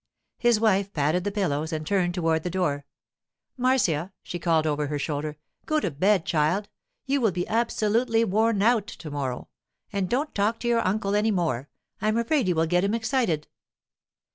His wife patted the pillows and turned toward the door. 'Marcia,' she called over her shoulder, 'go to bed, child. You will be absolutely worn out to morrow—and don't talk to your uncle any more. I'm afraid you will get him excited.